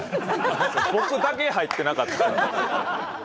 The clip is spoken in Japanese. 僕だけ入ってなかった。